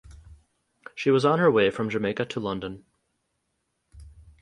She was on her way from Jamaica to London.